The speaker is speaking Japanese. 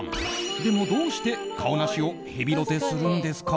でも、どうしてカオナシをヘビロテするんですか？